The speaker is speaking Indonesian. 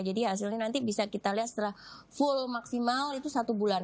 jadi hasilnya nanti bisa kita lihat setelah full maksimal itu satu bulan